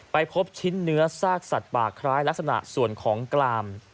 พบชิ้นเนื้อซากสัตว์ป่าคล้ายลักษณะส่วนของกลาม